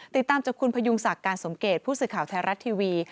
ติดตามจากคุณพยุงศักดิ์การสมเกตผู้สื่อข่าวไทยรัฐทีวี